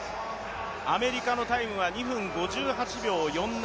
アメリカのタイムは２分５８秒４７。